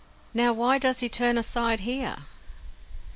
"Now why does he turn aside here?"